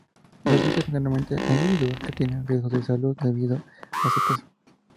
Se receta generalmente a individuos que tienen riesgos de salud debido a su peso.